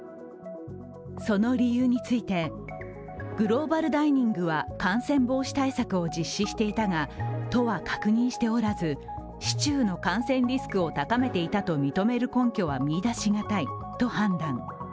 その理由についてグローバルダイニングは感染防止対策を実施していたが都は確認しておらず市中の感染リスクを高めていたと認める根拠は見いだしがたいと判断。